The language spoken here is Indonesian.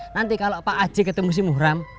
nanti kalau pak aceh ketemu si muhram